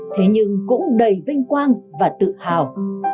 thế nhưng cũng đầy vinh quang và tự hào